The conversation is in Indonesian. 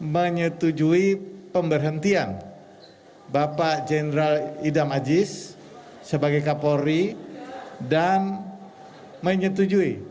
menyetujui pemberhentian bapak jenderal idam aziz sebagai kapolri dan menyetujui